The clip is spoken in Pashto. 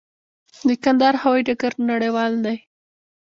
د کندهار هوايي ډګر نړیوال دی؟